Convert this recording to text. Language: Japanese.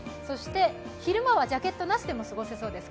昼間はジャケットなしでも過ごせそうです。